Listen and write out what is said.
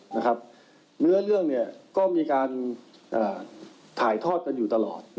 เนื้อเรื่องเนี่ยก็มีการถ่ายทอดกันอยู่ตลอด